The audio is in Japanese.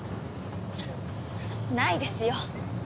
ないですよ。